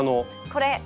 これ。